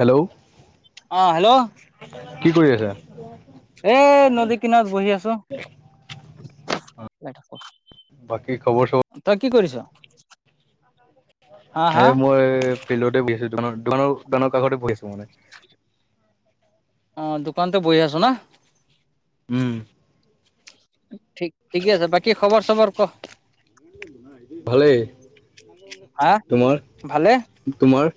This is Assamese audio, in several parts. হেল্ল' অ হেল্ল' কি কৰি আছা? এ নদী কিনাৰত বহি আছোঁ। বাকী খবৰ চবৰ? তই কি কৰিছ'? হা হা এই মই ফিল্ডতে বহি আছোঁ, দোকানৰ - দোকানৰ - দোকানৰ কাষতে বহি আছোঁ মানে। অ', দোকানতে বহি আছ' ন'? উম, ঠিক ঠিকে আছে বাকি খবৰ চবৰ ক? ভালেই হা তোমাৰ, ভালে তোমাৰ?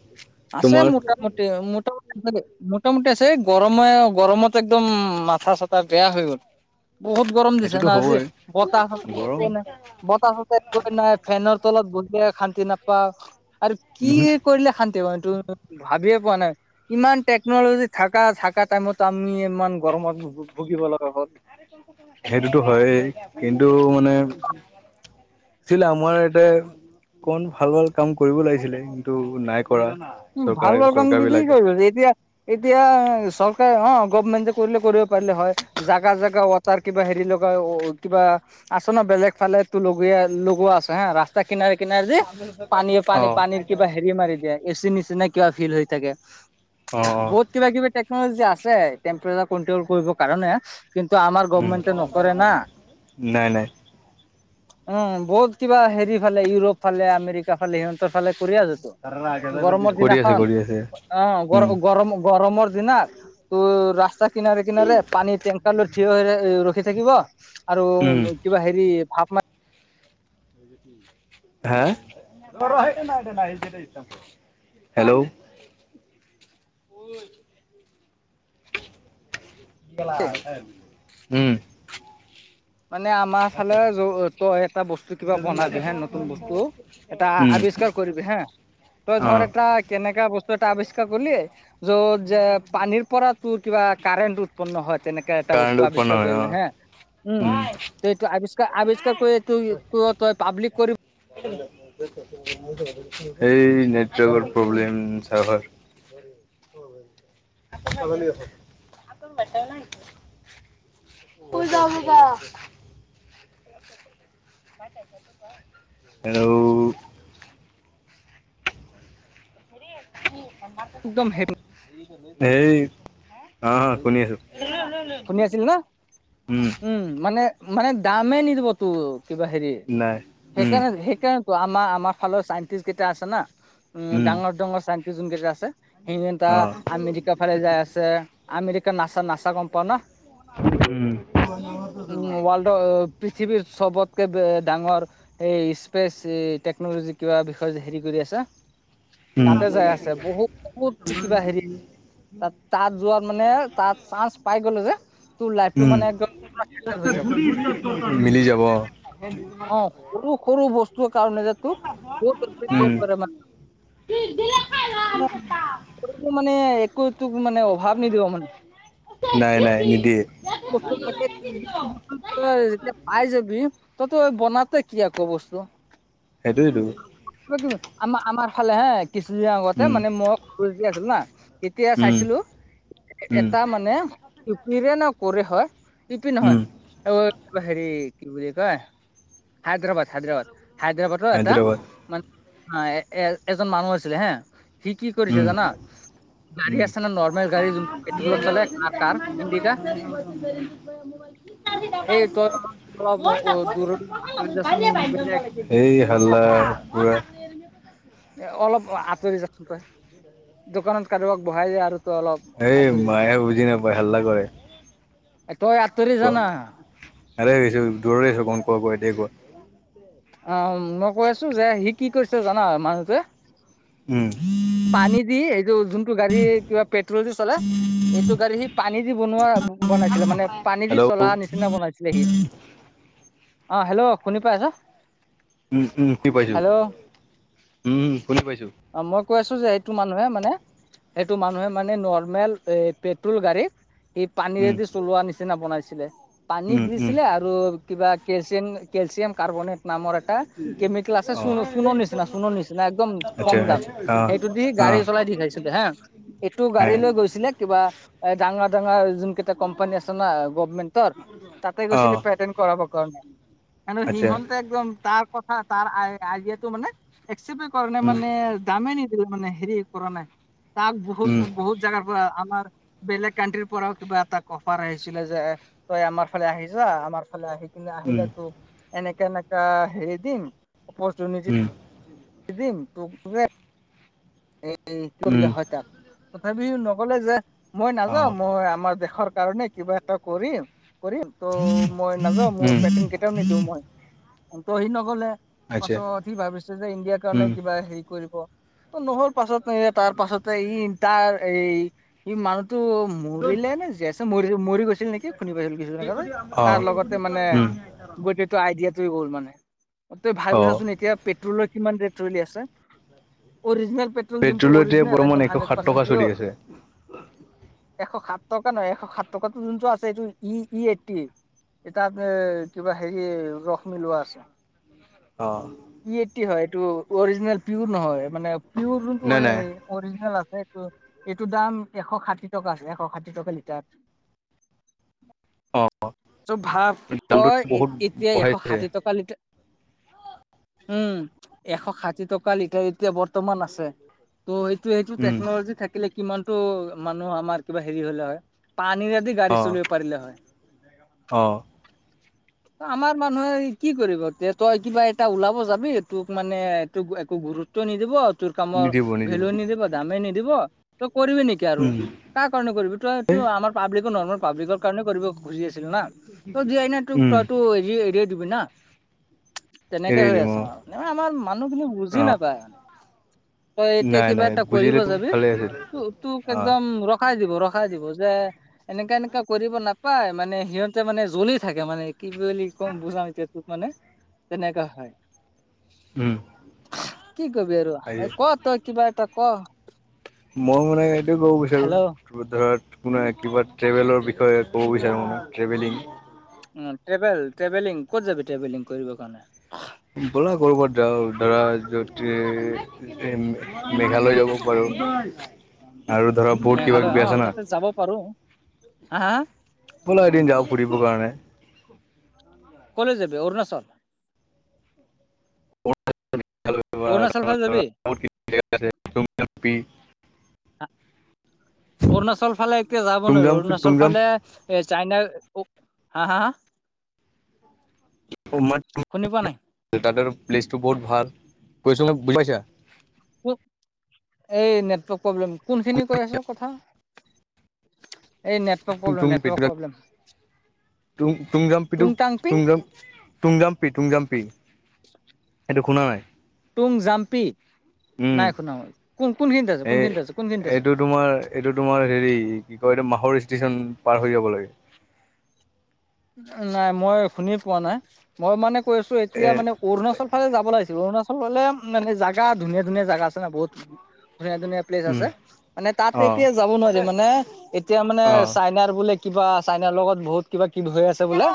আছে তোমাৰ মোটামুটি মোটামুটি মোটামুটি আছে গৰমে গৰমত একদম মাথা চাথা বেয়া হৈ গল। বহুত গৰম দিছে এইটোতো না আজি, হ'বই বতাহ চতাহ গৰম একো নাই বতাহ চতাহ একোৱে নাই। ফেনৰ তলত বহিয়ে শান্তি নাপাওঁ আৰু কি উহু কৰিলে শান্তি হম, এইটো ভাবিয়ে পোৱা নাই। ইমান টেকনলজি থকা থকা টাইমত আমি ইমান গৰমত ভুগিব লগা হ'ল। সেইটোতো হয়ে কিন্তু মানে আছিলে আমাৰ ইয়াতে অন ভাল ভাল কাম কৰিব লাগিছিলে কিন্তু নাই কৰা উম, ভাল চৰকাৰে ভাল চৰকাৰ কামটো কি বিলাকে কৰিবা যেতিয়া এতিয়া চৰকাৰে অ', গৰ্ভমেণ্টে কৰিলে কৰিব পাৰিলে হয়। জাগা জোগা ৱাটাৰ কিবা হেৰি লগাই কিবা আছো ন' বেলেগ ফালেতো লগিয়া লগোৱা আছে হা ৰাস্তা কিনাৰে কিনাৰে যে পানীয়ে পানী অ পানীৰ কিবা হেৰি মাৰি দিয়ে এচি নিচিনা কিবা ফিল হৈ থাকে, অ অ বহুত কিবা কিবি টেকনলজি আছে টেম্পেৰেলা কন্ট্ৰল কৰিবৰ কাৰণে কিন্তু আমাৰ উম গৰ্ভমেনটে নকৰে না। নাই নাই উম, বহুত কিবা হেৰি ফালে ইউৰোপ ফালে আমেৰিকা ফালে সিহঁতৰ ফালে কৰি আছে তো। তাৰ আগতে বলে দিলে। [unintelligible] গৰমৰ দিনা ৰাস্তা কিনাৰে, কিনাৰে পানী তে থিয় হৈ ৰখি থাকিব আৰু উম কিবা হেৰি ম হা? হেল্ল'। উম। মানে আমাৰ ফালে তই এটা বস্তু কিবা বনাবি হে নতুন বস্তু। এটা উম আৱিষ্কাৰ কৰিবি হা তই অ ধৰ এটা কেনেকা বস্তু এটা আৱিষ্কাৰ কৰিলি। য'ত যে পানীৰ পৰা তোৰ কিবা কাৰেণ্ট উৎপন্ন হয় তেনেকে এটা কাৰেণ্ট বস্তু উৎপন্ন আৱিষ্কাৰ হয় অ কৰিবি হে। উম, এইটো আৱিষ্কাৰ আৱিষ্কাৰ কৰি তই ত পাব্লিক কৰিব। এই নেটৱৰ্কৰ প্ৰব্লেম চাৰ্ভাৰ। [inaudible] পূজা, পূজা। হেল্ল'। কি? একদম হে এই অ', অ' শুনি আছোঁ। শুনি আছিল ন উম, মানে মানে দামেই নিদিব তো। কিবা হেৰি নাই উম সেইকাৰণে, সেইকাৰণেতো আমাৰ আমাৰ ফালৰ চাইণ্টিষ্ট কেইটা আছে না। উম, ডাঙৰ, ডাঙৰ চান্তি যোনকেইটা আছে সেইটা অ আমেৰিকা ফালে যাই আছে। আমেৰিকান নাচা, নাচা কোম্পাউ না। উম উম। ৱৰ্ল্ডৰ পৃথিৱীৰ চবতকে ডাঙৰ। এই স্পেচ টেকনলজি কিবা বিষয়ে যে হেৰি কৰি আছা। উম তাতে যাই আছে বহুত বুত কিবা হেৰি। তাত, তাত যোৱাত মানে তাত চানঞ্চ। উম, পুৰা চেটেল হৈ যাব মিলি যাব। অ', সৰু, সৰু বস্তুৰ কাৰণে যে তোক উম বহুত কৰে মানে। মানে একো মানে। ভাৱ ন দিব মন। নাই নাই নিদিয়ে বস্তু লাগে বস্তু যেতিয়া পাই যাবি। ততো বনাতে কি আকৌ বস্তু। সেইটো এইটো। আম-আমাৰ ফালে হা কিছুদনৰ আগতে উম মানে মই আছিলো না। তেতিয়া উম চাইছিলো উম এটা মানে কিৰে ন কৰে হয়। ইপি উম নহয় হেৰি কি বুলি কয়। হাইদ্ৰবাদ, হাইদ্ৰবাদ, হাইদ্ৰবাদৰ এটা হায়দৰাবাদ মানে। অ', এ-এ-এজন মানুহ আছিলে হে সি কি কৰিছে জানা। [unintelligible] গাড়ী আছে ন নৰ্মেল গাড়ী যোনটো পেট্ৰলত চলে কাৰ কাৰ ইণ্ডিকা এই তই অলপ বল না। অ- দূৰত আঁতৰি যাচোন বেলেগ এই হাল্লা পৰা। এ, অলপ আঁতৰি যায়ই দোকানত কাৰোবাক বহাই যায় আৰু। তই অলপ এই মায়ে বুজি নাপায় হাল্লা কৰে। ত, আতৰি জা না। আৰেছো দূৰৰে আছো গম কোৱা ক এতিয়াই কোৱা? অ', মই কৈ আছো যে সি কি কৰিছে জানা মানুহটোৱে। উম। পানী দি এইটো যোনটো গাড়ি কিবা পেট্ৰোল দি চলে। এইটো গাড়ী সি পানী দি বনোৱা বনাইছিলে মানে, পানী দি হেল্ল' চলা উম নিচিনা বনাইছিলে সি। অ', হেল্ল' শুনি পাইছা? উম্, উম্, শুনি পাইছোঁ। হেল্ল' উম্, উম্, শুনি পাইছোঁ। অ', মই কৈ আছোঁ যে, এইটো মানুহে মানে। সেইটো মানুহে মানে নৰ্মেল পেট্ৰল গাড়ীত সি উম পানীৰেদি চলোৱা নিচিনা বনাইছিলে, পানীত উম উম দিছিলে আৰু কিবা কেলচিয়াম, কেলচিয়াম কাৰ্বনেট নামৰ এটা কেমিকেল আছে, অ চুনৰ নিচিনা, চুনৰ নিচিনা একদম কম আচ্ছা দাম, আচ্ছা সেইটো দি অ অ গাড়ী চলাই দেখাইছিলে হা, এইটো হে গাড়ী লৈ গৈছিলে কিবা এ ডাঙৰ ডাঙৰ যোন কেইটা কোম্পানী আছে না গভমেন্টৰ, তাতে অ গৈছিলে। কাৰণে আচ্ছা সিহতে একদম তাৰ কথা তাৰ আই দিয়াটো মানে একচেপে কৰা নাই উম মানে মানে দামেই নিদিলে মানে, হেৰি কৰা নাই তাক, উম বহুত বহুত জাগাৰ পৰা আমাৰ বেলেগ কানট্ৰিৰ পৰাও কিবা এটা অফাৰ আহিছিলে যে, তই আমাৰ ফালে আহি যা, আমাৰ ফালে আহি কিন্তু উম আহিলে তোক এনেকা-এনেকা হেৰি দিম, অপৰচোনিতি উম দিম। দিম তোক এই উম হয় তাক, তথাপিও নগলে যে। মই অ নাযাওঁ, মই আমাৰ দেশৰ কাৰণে কিবা এটা কৰিম, কৰিম ত' মই নাযাও উম মোৰে কেতিয়াও নিদিওঁ মই, সি নগলে আচ্ছা পাছত সি ভাবিছে যে ইণ্ডিয়াৰ কাৰণে উম কিবা হেৰি কৰিব। নহ'ল পাছত, তাৰ পাছতে ই তাৰ এই ই মানুহটো মৰিল নে জীয়াই আছে, মৰি গৈছে ছিল নেকি? শুনি পাইছিল কিছু দিনতে অ তাৰ লগতে মানে উম আইডিয়াটোৱে গ'ল মানে, তই ভাবি অ ছাচোন। এতিয়া পেট্ৰলৰ কিমান ৰেট চলি আছে। অৰজিনেল পেট্ৰল যোনটো পেট্ৰলৰ এতিয়া অৰিজিনেল একদম বৰ্তমান এশ হাণ্ড্ৰেড সাত পাৰ্চেণ্ট টকা চলি পিয়ৰ আছে। এশ সাত টকা নহয়, এশ সাত টকাটো যোনটো আছে এইটো ই ই এইটি। এটা আছে, কিবা হেৰি ৰস মিলোৱা আছে। অ', ই এইতি হয়, এইটো অৰিজিনেল পিউৰ নহয়। মানে পিওৰ যোনটো নাই হয় নাই অৰিজিনেল আছে এইটো, এইটো দাম এশ ষাঠি টকা আছে। এশ ষাঠি টকা লিটাৰ। [inaudible] চ ভাৱ, দামটো তই বহুত এতিয়া এশ বঢ়াইছে। ষাঠি টকা লিটাৰ, উম্, এশ ষাঠি টকা লিটাৰ এতিয়া বৰ্তমান আছে, ত' সেইটো উম, টেকনলজি থাকিলে থাকিলে, কিমানটো মানুহ আমাৰ কিবা হেৰি হ'লে হয়, পানীৰেদি গাড়ী অ', চলিব পাৰিলে হয়। অ', আমাৰ মানুহে কি কৰিব, এ তই কিবা এটা ওলাব যাবি। এই তোক মানে এইটোক একো গুৰুত্ব টো নিদিব, তোৰ কামৰ ভেলু নিদিব, দামেই নিদিব। তই কৰিবি নেকি আৰু উম, কাৰ কাৰণে কৰিবি, তই এইটো আমাৰ পাব্লিকো, নৰ্মেল পাব্লিকৰ কাৰণে কৰিব খুজি আছিল না। তই যি হয়না তোক উম, তইতো হৰি এৰিয়াই দিবি না। তেনেকে এৰি হৈ দিম আছে, অ', মানে আমাৰ মানুহখিনি বুজি অ', নাপায়। তই এতিয়া নাই কিবা নাই এটা কৰিব বুজিলেতো যাবি, ভালে আছিল। তোক অ', একদম ৰখাই দিব ৰখাই দিব, যে এনেকা এনেকা কৰিব নাপায়, মানে সিহঁতে মানে জ্বলি থাকে মানে কি বুলি ক'ম, বুজাম এতিয়া তোক মানে। তেনেকা হয়। উম্, কি কৰিবি আৰু ক তই কিবা এটা ক। মই মানে এইটোৱে ক'ব হেল্ল' বিচাৰো ধৰা কোনে কিবা ট্ৰেভেলৰ বিষয়ে ক'ব বিচাৰোঁ, মানে ট্ৰেভেলিং উম্, ট্ৰেভেল-ট্ৰেভেলিং, ক'ত যাবি ট্ৰেভেলিং কৰিব কাৰণে? ব'লা ক'ৰবাত যাওঁ ধৰাতি মেঘালয় যাব পাৰো আৰু ধৰা বহুত কিবা মেঘালয় কিবি অ আছে না। তাতে যাব পাৰো। হা বোলা এদিন যাওঁ ফুৰিবৰ কাৰণে। ক'লে যাবি অৰুণাচল অৰুণাচল ফালে যাবি [unintelligible] [unintelligible] অৰুণাচল ফালে এতিয়া যাব নোৱাৰি তুমজাং অৰুণাচল তুমজাং ফালে এই চাইনা হা হা শুনি পোৱা নাই তাতে প্লেচটো বহুত ভাল কৈছে বুজি পাইছা [unintelligible] এই নেটৱৰ্ক প্ৰব্লেম কোনখিনি কৈ আছ কথা [inaudible] এই নেটৱৰ্ক প্ৰব্লেম নেটৱৰ্ক প্ৰব্লেম তু তুং টুং জাম্পিটোক টাংপিং তুং তুং জাম্পি তুং জাম্পি [inaudible] সেইটো শুনা নাই তুং জাম্পি উম, নাই শুনা মই কোন কোন খিনিত আছে এই কোনখিনিত আছে কোনখিনিত আছে। এইটো তোমাৰ এইটো তোমাৰ হেৰি কি কয় এইটো মাহৰ ষ্টেচন পাৰ হৈ যাব লাগে। নাই মই শুনি পোৱা নাই মই মানে কৈ আছো এতিয়া এ মানে অৰুণাচল ফালে যাব লাগিছিল অৰুণাচল ফালে মানে জেগা ধুনীয়া ধুনীয়া জাগা আছে না বহুত ধুনীয়া ধুনীয়া প্লেচ উম, আছে মানে তাত অ', এতিয়া যাব নোৱাৰি মানে এতিয়া মানে অ', চাইনাৰ বুলে কিবা চাইনাৰ লগত বহুত কিবা কিবি হৈ আছে বোলে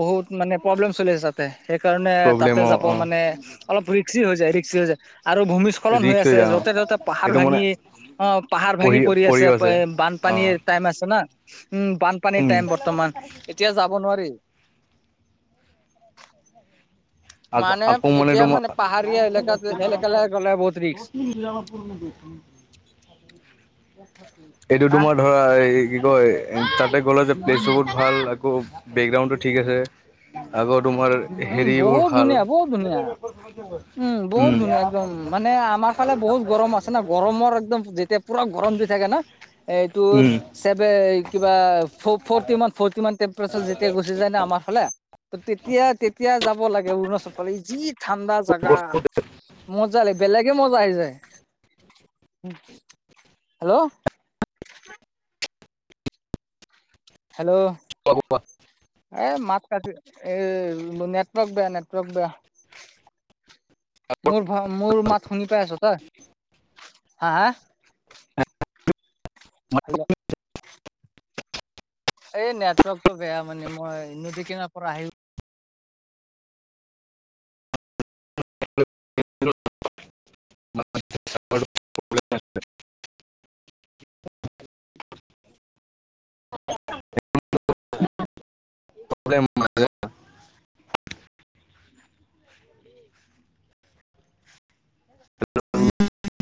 বহুত মানে প্ৰব্লেম চলি আছে তাতে সেইকাৰণে প্ৰব্লেম তাতে অ', যাব অ', মানে অলপ ৰিক্সি হৈ যায় ৰিক্সি হৈ যায় আৰু ভূমিস্খলন হৈ ৰিক্স আছে যায় অ', য'তে ত'তে পাহাৰ এইটো ভাঙি মানে অ' পাহাৰ ভাঙি পঢ়ি পৰি পঢ়িও আছে অ বানপানীৰ টাইম আছে না উম বানপানীৰ উম টাইম বৰ্তমান এতিয়া যাব নোৱাৰি মানে আকৌ মানে এতিয়া ডম পাহাৰীয়া এলেকাত এলেকালৈ গ'লে বহুত ৰিক্স এইটো তোমাৰ ধৰা এই কি কয় তাতে গ'লে যে প্লেচটো বহুত ভাল আকৌ বেকগ্ৰাউণ্ডটো ঠিক আছে আগৰ তোমাৰ উম হেৰিবোৰ বহুত ভাল ধুনীয়া বহুত ধুনীয়া বহুত উম ধুনীয়া একদম মানে আমাৰ ফালে বহুত গৰম না গৰমৰ একদম যেতিয়া পুৰা গৰমটো থাকে না এইটোৰ উম কিবা ফৰটি মান ফৰটি মান টেম্পচাৰ যেতিয়া গুচি যায় ন আমাৰ ফালে তেতিয়া এতিয়া যাব লাগে অৰুণাচল পালি যি ঠাণ্ডা জাগা মজালাগ বেলেগে মজা আহি যায় হেল্ল' হেল্ল' [inaudible] এ মাত কাটি এই নেটৱৰ্ক বেয়া নেটৱৰ্ক বেয়া। মোৰ ভা মোৰ মাত শুনি পাই আছ তই হা হা? হল [inaudible] এই নেটৱৰ্কতটো বেয়া মানে মই নদী কিনাৰ পৰা আহিলো। [unintelligible] [unintelligible] এক [unintelligible] [unintelligible] পৰে মাাজা [unintelligible] [unintelligible] হেল্ [unintelligible] [unintelligible]